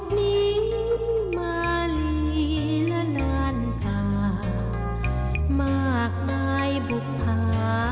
ที่โลกนี้มาหลีและนานค่ะมากมายบุภาพร้อมกลุ่น